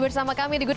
sumpah mantap ini tuh